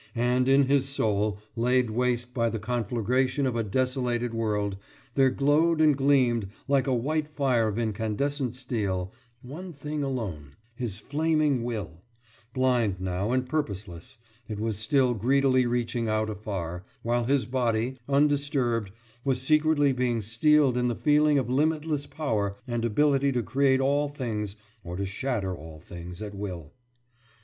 And, in his soul, laid waste by the conflagration of a desolated world, there glowed and gleamed, like a white fire of incandescent steel, one thing alone his flaming will; blind now and purposeless, it was still greedily reaching out afar, while his body, undisturbed, was secretly being steeled in the feeling of limitless power and ability to create all things or to shatter all things at will.